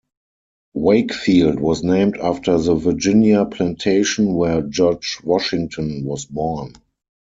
Wakefield was named after the Virginia plantation where George Washington was born.